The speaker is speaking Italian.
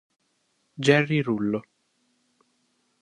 Jerry Rullo